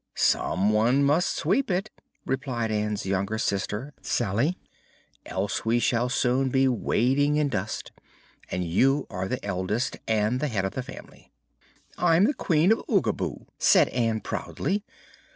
"Some one must sweep it," replied Ann's younger sister, Salye; "else we shall soon be wading in dust. And you are the eldest, and the head of the family." "I'm Queen of Oogaboo," said Ann, proudly.